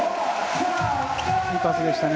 いいパスでしたね